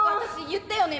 言ったよね？